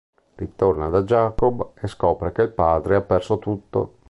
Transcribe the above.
Ritorna da Jacob e scopre che il padre ha perso tutto.